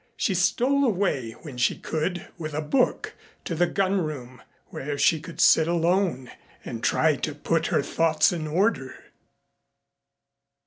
She stole away when she could with a book to the gun room, where she could sit alone and try to put her thoughts in order.